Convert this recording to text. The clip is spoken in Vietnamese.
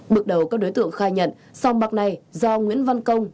bước đầu các đối tượng khai nhận sòng bạc này do nguyễn văn công